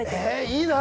いいな！